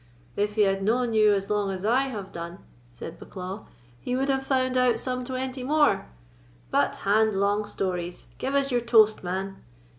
'" "If he had known you as long as I have done," said Bucklaw, "he would have found out some twenty more; but hang long stories, give us your toast, man."